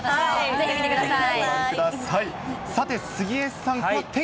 ぜひ見てください。